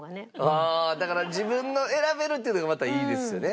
ああだから自分の選べるっていうのがまたいいですよね。